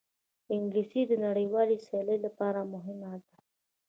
انګلیسي د نړیوال سیالۍ لپاره مهمه ده